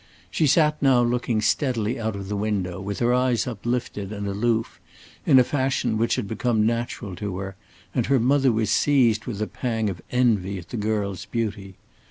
She sat now looking steadily out of the window, with her eyes uplifted and aloof, in a fashion which had become natural to her, and her mother was seized with a pang of envy at the girl's beauty.